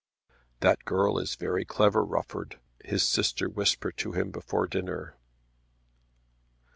"That girl is very clever, Rufford," his sister whispered to him before dinner.